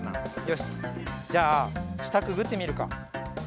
よしじゃあしたくぐってみるか。